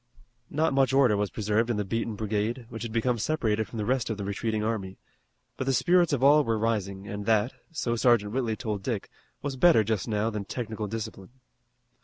Not much order was preserved in the beaten brigade, which had become separated from the rest of the retreating army, but the spirits of all were rising and that, so Sergeant Whitley told Dick, was better just now than technical discipline.